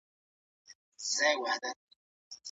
هغه چای څښي